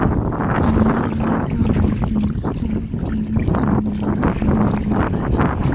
And lyricism, it's all about lyrics, taking pride in your pen and your pad.